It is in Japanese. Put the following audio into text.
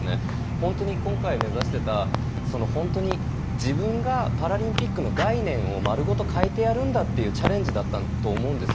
本当に今回、目指していた自分がパラリンピックの概念を丸ごとかえてやるというチャレンジだったと思うんです。